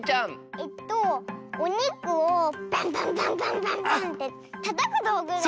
えっとおにくをバンバンバンバンバンバンってたたくどうぐだよね？